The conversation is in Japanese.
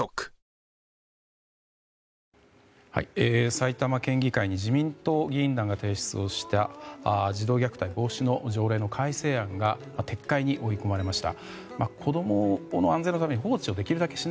埼玉県議会に自民党議員らが提出した児童虐待防止の改正案が撤回に追い込まれました。